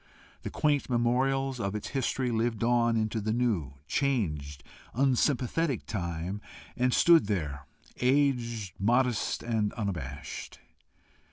The quaint memorials of its history lived on into the new, changed, unsympathetic time, and stood there, aged, modest, and unabashed.